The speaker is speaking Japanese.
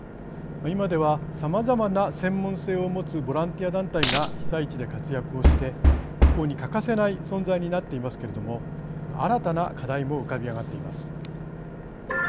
今では、さまざまな専門性を持つボランティア団体が被災地で活躍をして復興に欠かせない存在になっていますけれども新たな課題も浮かび上がっています。